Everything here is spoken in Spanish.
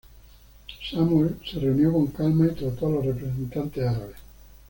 Samuel se reunió con calma y trató a los representantes árabes.